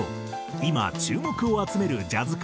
今注目を集めるジャズ界